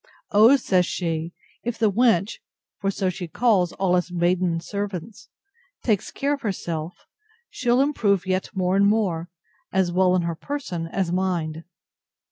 O! says she, if the wench (for so she calls all us maiden servants) takes care of herself, she'll improve yet more and more, as well in her person as mind.